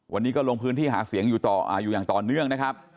วันนี้ก็ลงพื้นที่หาเสียงอยู่อย่างต่อเนื่องนะครับ